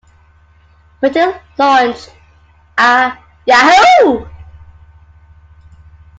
Baty launched a Yahoo!